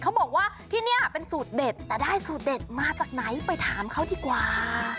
เขาบอกว่าที่นี่เป็นสูตรเด็ดแต่ได้สูตรเด็ดมาจากไหนไปถามเขาดีกว่า